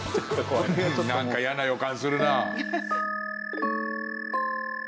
なんか嫌な予感するな。